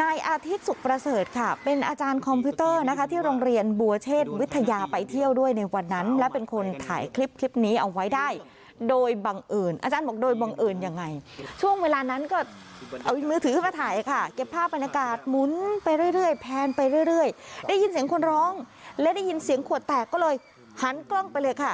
นายอาทิตย์สุขประเสริฐค่ะเป็นอาจารย์คอมพิวเตอร์นะคะที่โรงเรียนบัวเชษวิทยาไปเที่ยวด้วยในวันนั้นและเป็นคนถ่ายคลิปคลิปนี้เอาไว้ได้โดยบังเอิญอาจารย์บอกโดยบังเอิญยังไงช่วงเวลานั้นก็เอามือถือมาถ่ายค่ะเก็บภาพบรรยากาศหมุนไปเรื่อยแพนไปเรื่อยได้ยินเสียงคนร้องและได้ยินเสียงขวดแตกก็เลยหันกล้องไปเลยค่ะ